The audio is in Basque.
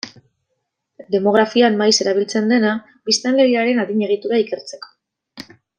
Demografian maiz erabiltzen dena, biztanleriaren adin egitura ikertzeko.